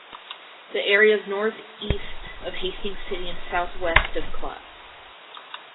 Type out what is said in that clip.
The area is northeast of Hastings city and southwest of Clive.